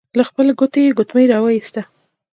له خپلې ګوتې يې ګوتمۍ را وايسته.